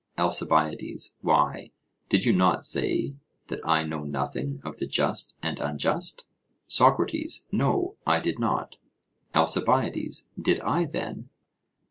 ALCIBIADES: Why, did you not say that I know nothing of the just and unjust? SOCRATES: No; I did not. ALCIBIADES: Did I, then?